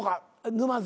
沼津。